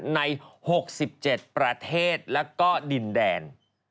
ใน๖๗ประเทศแล้วก็ดินแดน